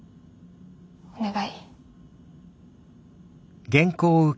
お願い。